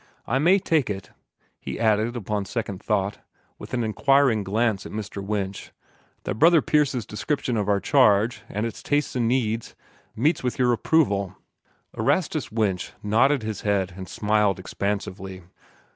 I may take it," he added upon second thought, with an inquiring glance at Mr. Winch, "that Brother Pierce's description of our charge, and its tastes and needs, meets with your approval?" Erastus Winch nodded his head and smiled expansively.